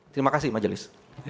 terima kasih majelis